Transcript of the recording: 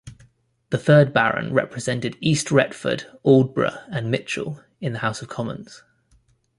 The third Baron represented East Retford, Aldborough and Mitchell in the House of Commons.